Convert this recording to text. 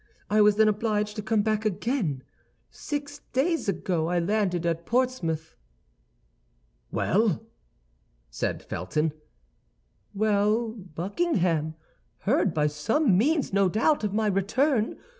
I was then obliged to come back again. Six days ago, I landed at Portsmouth." "Well?" said Felton. "Well; Buckingham heard by some means, no doubt, of my return.